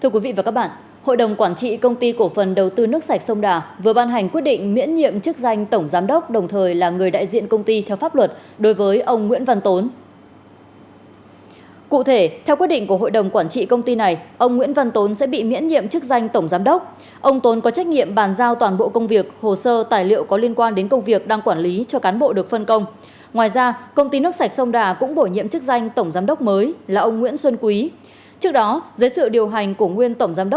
các bạn hãy đăng ký kênh để ủng hộ kênh của chúng mình nhé